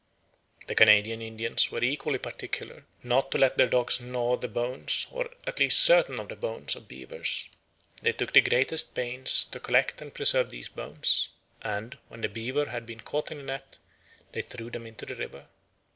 The Canadian Indians were equally particular not to let their dogs gnaw the bones, or at least certain of the bones, of beavers. They took the greatest pains to collect and preserve these bones, and, when the beaver had been caught in a net, they threw them into the river.